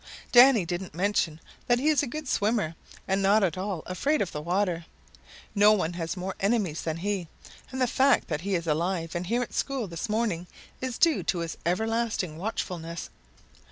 "Danny didn't mention that he is a good swimmer and not at all afraid of the water. No one has more enemies than he, and the fact that he is alive and here at school this morning is due to his everlasting watchfulness.